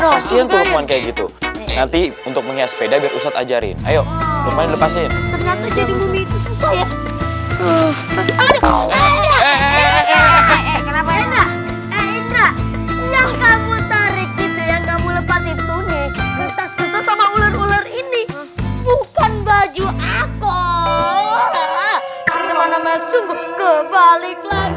kasihan tuh kayak gitu nanti untuk menghias sepeda biar ustadz ajarin ayo lepasin ternyata jadi